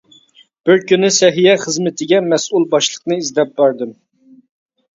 بىر كۈنى سەھىيە خىزمىتىگە مەسئۇل باشلىقنى ئىزدەپ باردىم.